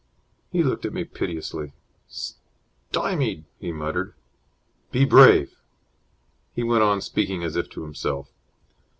He looked at me piteously. "Stymied!" he muttered. "Be brave!" He went on, speaking as if to himself.